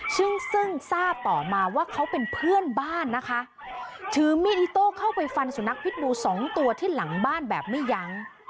ซึ่งซึ่งทราบต่อมาว่าเขาเป็นเพื่อนบ้านนะคะถือมีดอิโต้เข้าไปฟันสุนัขพิษบูสองตัวที่หลังบ้านแบบไม่ยั้ง